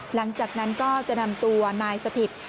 หลังจากนั้นก็จะนำตัวนายสถิต